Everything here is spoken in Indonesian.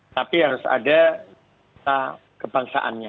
tapi harus ada kebangsaannya